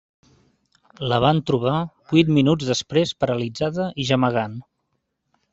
La van trobar vuit minuts després, paralitzada i gemegant.